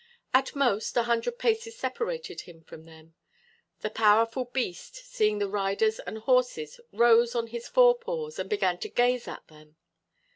At most, a hundred paces separated him from them. The powerful beast, seeing the riders and horses, rose on his fore paws and began to gaze at them.